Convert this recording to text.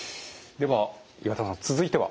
では岩田さん続いては？